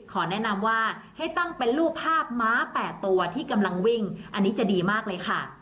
ขอแนะนำว่าให้ตั้งเป็นรูปภาพม้า๘ตัวที่กำลังวิ่งอันนี้จะดีมากเลยค่ะ